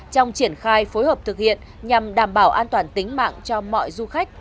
trong triển khai phối hợp thực hiện nhằm đảm bảo an toàn tính mạng cho mọi du khách